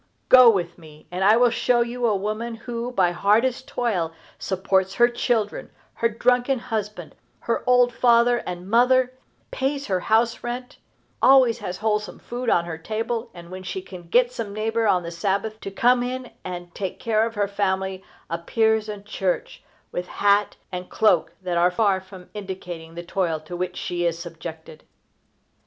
Go with me, and I will show you a woman who, by hardest toil, supports her children, her drunken husband, her old father and mother, pays her house rent, always has wholesome food on her table, and, when she can get some neighbor on the Sabbath to come in and take care of her family, appears in church, with hat and cloak that are far from indicating the toil to which she is subjected.